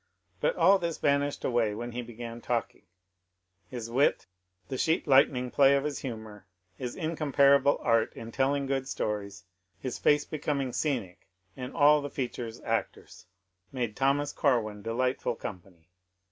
But all this vanished away when he began talking; his wit, the sheet lightning play of his humour, his incomparable art in telling good stories — his face becoming scenic, and all the features actors — made Thomas Corwin delightful company.